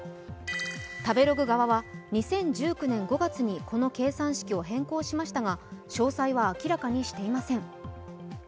食べログ側は２０１９年５月にこの計算式を変更しましたが詳細は明らかにしていません。